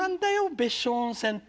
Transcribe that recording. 別所温泉って。